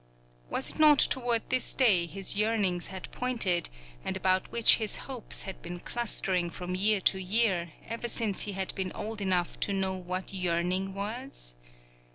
Was it not toward this day his yearnings had pointed, and about which his hopes had been clustering from year to year, ever since he had been old enough to know what yearning was?